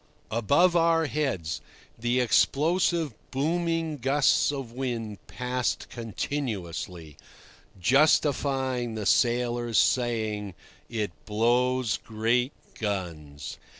Above our heads the explosive booming gusts of wind passed continuously, justifying the sailor's saying "It blows great guns."